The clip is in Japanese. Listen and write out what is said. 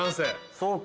そうか。